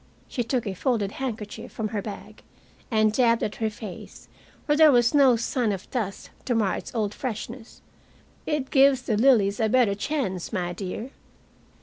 She took a folded handkerchief from her bag and dabbed at her face, where there was no sign of dust to mar its old freshness. "It gives the lilies a better chance, my dear."